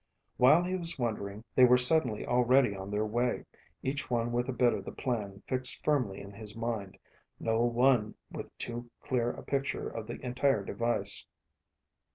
While he was wondering, they were suddenly already on their way, each one with a bit of the plan fixed firmly in his mind, no one with too clear a picture of the entire device.